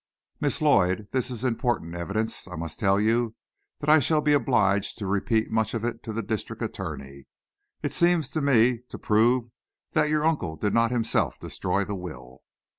"Miss Lloyd, this is important evidence. I must tell you that I shall be obliged to repeat much of it to the district attorney. It seems to me to prove that your uncle did not himself destroy the will."